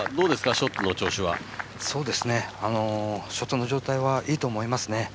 ショットの状態はいいと思いますね。